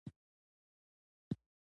بهلوله څه ډول مشوره دې راکړې وه.